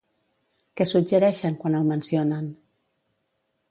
Què suggereixen quan el mencionen?